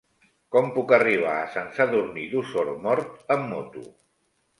Com puc arribar a Sant Sadurní d'Osormort amb moto?